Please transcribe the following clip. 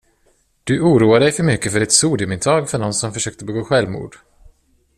Du oroar dig mycket för ditt sodiumintag för någon som försökte begå självmord.